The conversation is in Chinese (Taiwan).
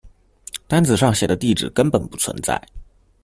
單子上寫的地址根本不存在